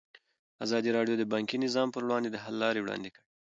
ازادي راډیو د بانکي نظام پر وړاندې د حل لارې وړاندې کړي.